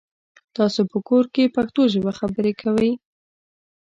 تاسو په کور کې پښتو ژبه خبري کوی؟